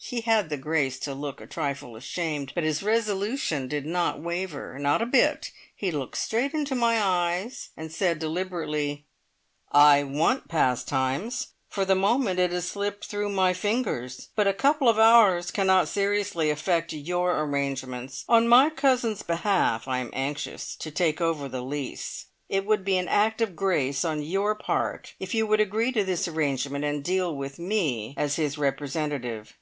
He had the grace to look a trifle ashamed, but his resolution did not waver. Not a bit! He looked straight in my eyes, and said deliberately: "I want Pastimes! For the moment it has slipped through my fingers, but a couple of hours cannot seriously affect your arrangements. On my cousin's behalf I am anxious to take over the lease. It would be an act of grace on your part if you would agree to this arrangement, and deal with me as his representative!"